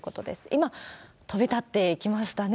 今、飛び立っていきましたね。